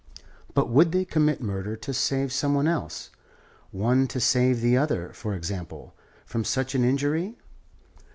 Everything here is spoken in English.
But would they commit murder to save some one else, one to save the other, for example, from such an injury?